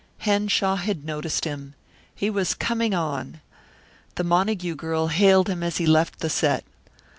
Henshaw had noticed him. He was coming on. The Montague girl hailed him as he left the set.